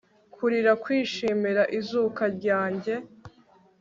kurira kwishimira izuka ryanjye